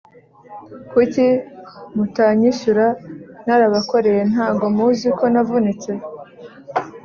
Kuki mutanyishyura narabakoreye ntago muziko navunitse